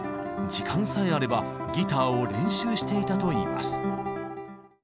時間さえあればギターを練習していたといいます。